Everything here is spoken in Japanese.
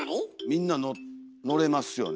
みんな乗れますよね。